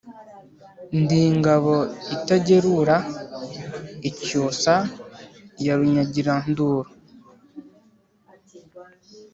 Ndi Ngabo itagerura icyusa ya Runyagiranduru